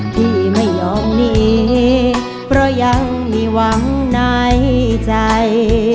พี่ไม่ยอมหนีเพราะยังมีหวังในใจ